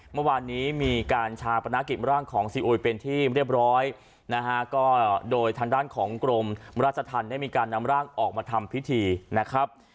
เมื่อวานนี้มีการชาปนากิจร่างของซีอุยเป็นที่เรียบร้อยนะฮะก็โดยทางด้านของกรมราชธรรมได้มีการนำร่างออกมาทำพิธีนะครับ